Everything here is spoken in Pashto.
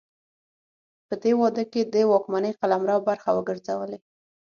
په دې واده کې د واکمنۍ قلمرو برخه وګرځولې.